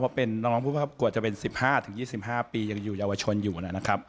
เพราะเป็นน้องผู้ประกวดจะเป็น๑๕๒๕ปียังอยู่เยาวชนอยู่นะครับ